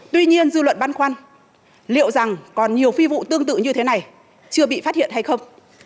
tuy nhiên dư luận băn khoăn liệu rằng còn nhiều phi vụ tương tự như thế này chưa bị phát hiện hay không